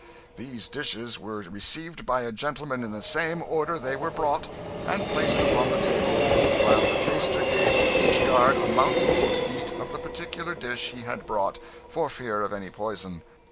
These dishes were received by a gentleman in the same order they were brought, and placed upon the table, while the taster gave to each guard a mouthful to eat of the particular dish he had brought, for fear of any poison."